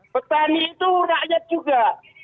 petani itu rakyat juga